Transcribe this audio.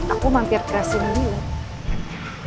aku mampir ke sini dulu